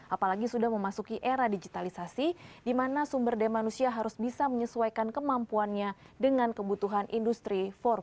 apalagi sudah memasuki era digitalisasi di mana sumber daya manusia harus bisa menyesuaikan kemampuannya dengan kebutuhan industri empat